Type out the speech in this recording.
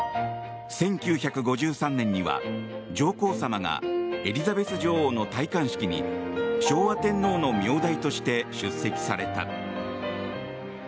１９５３年には、上皇さまがエリザベス女王の戴冠式に昭和天皇の名代として出席された。